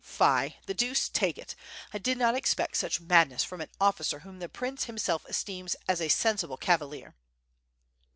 Fie! the deuce take it, I did not expect such madness from an officer whom the prince himself esteems as a sensible cavalier."